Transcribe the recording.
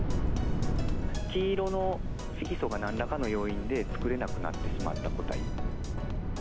黄色の色素が、なんらかの要因で作れなくなってしまった個体。